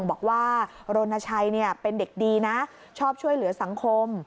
บอกว่ารณชัยเป็นเด็กดีนะชอบช่วยเหลือสังคม